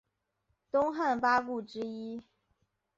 东汉八顾之一。